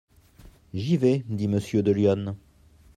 J'y vais, dit Monsieur de Lyonne.